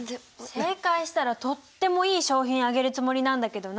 正解したらとってもいい賞品あげるつもりなんだけどな。